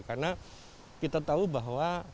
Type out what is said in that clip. karena kita tahu bahwa